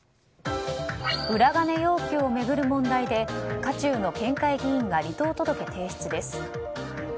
裏金要求を巡る問題で渦中の県会議員が離党届提出です。